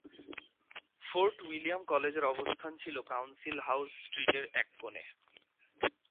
Fort William কলেজের অবস্থান ছিল কাউন্সিল হাউস স্ট্রিটের এক কোণে।